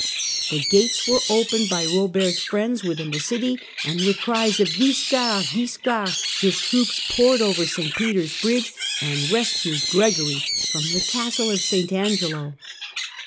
The gates were opened by Eobert's friends within the city, and with cries of " Guiscard ! Guiscard !" his troops poured over St Peter's bridge and rescued Gregory from the castle of St Angelo.